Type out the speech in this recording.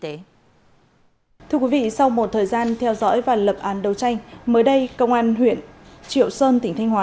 thưa quý vị sau một thời gian theo dõi và lập án đấu tranh mới đây công an huyện triệu sơn tỉnh thanh hóa